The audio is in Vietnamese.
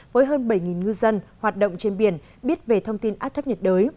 với hơn bảy ngư dân hoạt động trên biển biết về thông tin áp thấp nhiệt đới